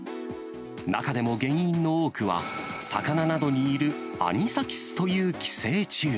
中でも原因の多くは、魚などにいるアニサキスという寄生虫。